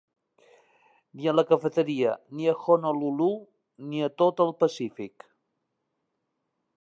Ni a la cafeteria ni a Honolulu ni a tot el Pacífic.